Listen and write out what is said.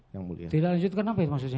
tidak lanjutkan apa maksudnya